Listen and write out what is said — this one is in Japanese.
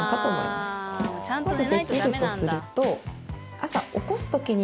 まずできるとすると。